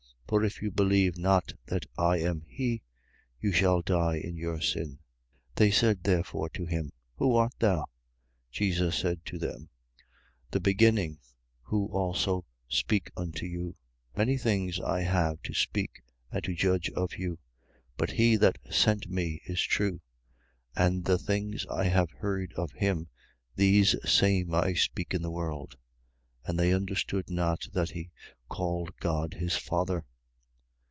For if you believe not that I am he, you shall die in your sin. 8:25. They said therefore to him: Who art thou? Jesus said to them: The beginning, who also speak unto you. 8:26. Many things I have to speak and to judge of you. But he that sent me, is true: and the things I have heard of him, these same I speak in the world. 8:27. And they understood not that he called God his Father.